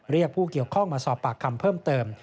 เรียกผู้เกี่ยวข้องมาสอบปากคำเพิ่มเติม